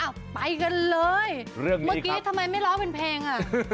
ไปกันเลยเมื่อกี้ทำไมไม่ร้องเป็นเพลงอ่ะ